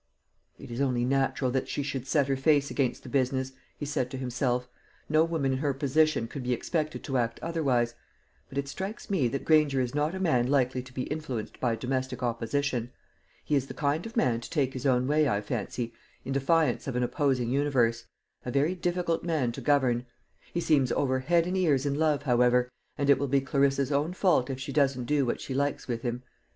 "It is only natural that she should set her face against the business," he said to himself; "no woman in her position could be expected to act otherwise; but it strikes me that Granger is not a man likely to be influenced by domestic opposition. He is the kind of man to take his own way, I fancy, in defiance of an opposing universe a very difficult man to govern. He seems over head and ears in love, however, and it will be Clarissa's own fault if she doesn't do what she likes with him.